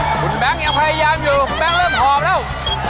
คุณแบงค์ยังพยายามอยู่คุณแบงค์เริ่มหอบแล้ว